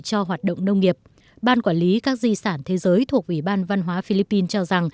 xin chào và hẹn gặp lại